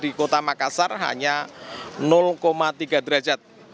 di kota makassar hanya tiga derajat